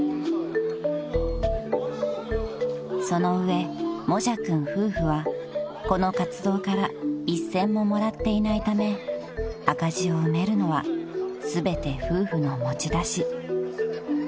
［その上もじゃくん夫婦はこの活動から一銭ももらっていないため赤字を埋めるのは全て夫婦の持ち出し］